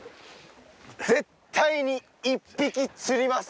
絶対に１匹釣ります！